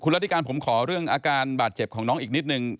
รัฐธิการผมขอเรื่องอาการบาดเจ็บของน้องอีกนิดนึง